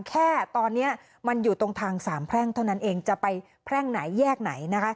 แค่ตอนนี้มันอยู่ตรงทางสามแพร่งเท่านั้นเองจะไปแพร่งไหนแยกไหนนะคะ